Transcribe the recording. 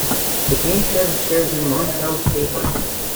The game turned the series in Montreal's favour.